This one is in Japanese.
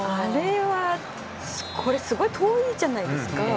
これ、すごい遠いじゃないですか。